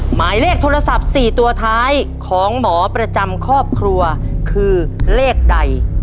หมายเลขโทรศัพท์๔ตัวท้ายของหมอประจำครอบครัวคือเลขใด